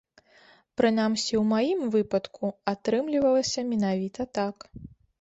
Прынамсі, у маім выпадку атрымлівалася менавіта так.